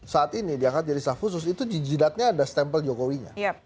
saat ini dia akan jadi staff khusus itu jijilatnya ada stempel jokowinya